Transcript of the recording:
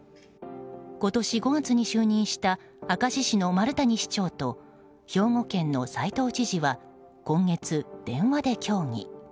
今年５月に就任した明石市の丸谷市長と兵庫県の齋藤知事は今月、電話で協議。